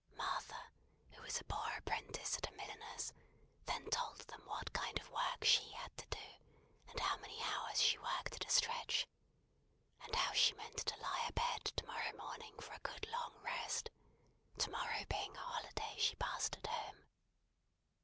Martha, who was a poor apprentice at a milliner's, then told them what kind of work she had to do, and how many hours she worked at a stretch, and how she meant to lie abed to morrow morning for a good long rest; to morrow being a holiday she passed at home.